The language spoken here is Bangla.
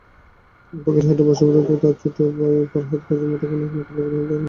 ফকিরহাটে বসবাসরত তাঁর ছোট ভাই ফরহাদ কাজীর মুঠোফোনে ফোন করলেও তিনি ধরেননি।